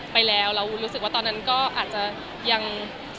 ไปแล้วแล้วรู้สึกว่าตอนนั้นก็อาจจะยัง